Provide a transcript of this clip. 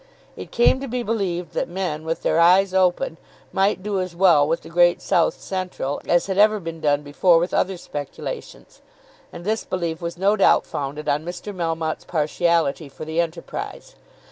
It came to be believed that men with their eyes open might do as well with the Great South Central as had ever been done before with other speculations, and this belief was no doubt founded on Mr. Melmotte's partiality for the enterprise.